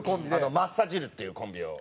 マッサジルっていうコンビを。